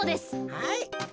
はい。